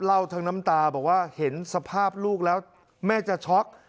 เล่าทั้งน้ำตาบอกว่าเห็นสภาพลูกแล้วแม่จะช็อก